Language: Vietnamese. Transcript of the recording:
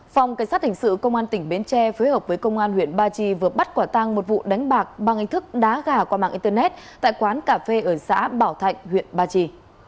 phòng cảnh sát hình sự công an tỉnh bến tre phối hợp với công an huyện ba trì vừa bắt quả tang một vụ đánh bạc bằng hình thức đá gà qua mạng internet tại quán cà phê ở xã bảo thạnh huyện ba trì